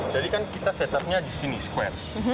jadi kan kita set up nya di sini square